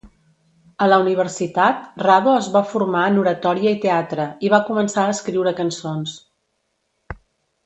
A la universitat, Rado es va formar en oratòria i teatre, i va començar a escriure cançons.